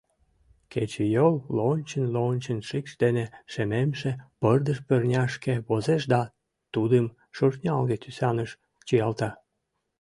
Кечыйол лончын-лончын шикш дене шемемше пырдыж пырняшке возеш да тудым шӧртнялге тӱсаныш чиялта.